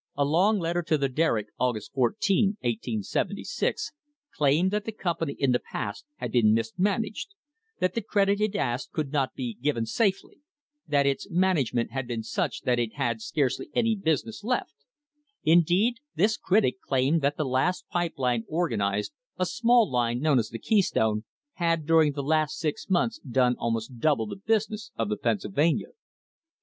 A long letter to the Derrick August 14, 1876, claimed that the company in the past had been mismanaged; that the credit it asked could not be given safely; that its management had been such that it had scarcely any business STRENGTHENING THE FOUNDATIONS left. Indeed this critic claimed that the last pipe line organ ised, a small line known as the Keystone, had during the last six months done almost double the business of the Pennsyl vania.